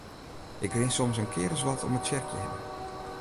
Ik rin soms in kear as wat om it tsjerkje hinne.